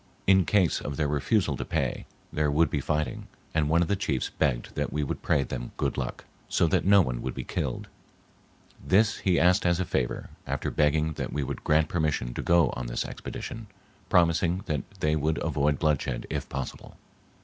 In case of their refusal to pay, there would be fighting, and one of the chiefs begged that we would pray them good luck, so that no one would be killed. This he asked as a favor, after begging that we would grant permission to go on this expedition, promising that they would avoid bloodshed if possible.